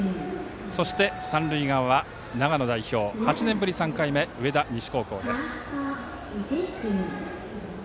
そして三塁側は長野代表、８年ぶり３回目上田西高校です。